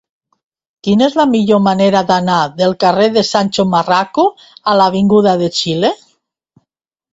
Quina és la millor manera d'anar del carrer de Sancho Marraco a l'avinguda de Xile?